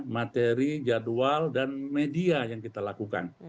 materi jadwal dan media yang kita lakukan